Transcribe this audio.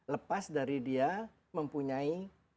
lepas dari dia mempunyai